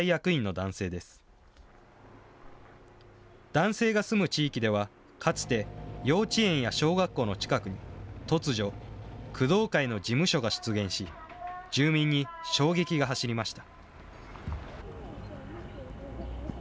男性が住む地域では、かつて、幼稚園や小学校の近くに突如、工藤会の事務所が出現し、住民に衝撃が走りました。